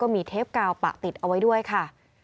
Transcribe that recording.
มีเทปกาวปะติดเอาไว้ด้วยค่ะ